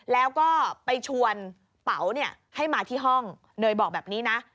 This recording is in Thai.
แล้วก็ไปชวนเป๋าเนี่ยให้มาที่ห้องเนยบอกแบบนี้นะ